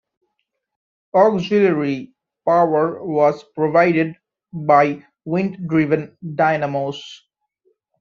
Auxiliary power was provided by wind-driven dynamos.